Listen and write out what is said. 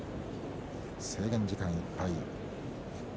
制限時間いっぱい。